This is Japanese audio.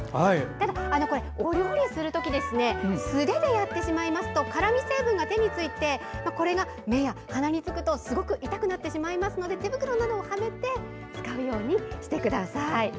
お料理する時素手でやってしまいますと辛み成分が手についてこれが目や鼻につくとすごく痛くなってしまいますので手袋などをはめて使うようにしてください。